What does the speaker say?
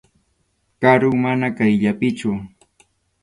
Karum, mana qayllapichu.